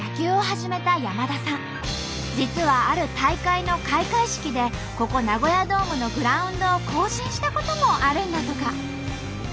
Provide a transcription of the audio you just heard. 実はある大会の開会式でここナゴヤドームのグラウンドを行進したこともあるんだとか。